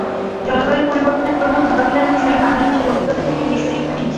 জলবায়ু পরিবর্তনের প্রভাব মোকাবিলার বিষয়ে বাংলাদেশের অভিজ্ঞতা থেকে বিশ্ব শিক্ষা নিচ্ছে।